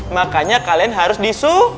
makanya kalian harus disu